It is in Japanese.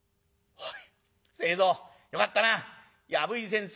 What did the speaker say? おい。